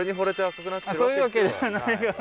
そういうわけではない。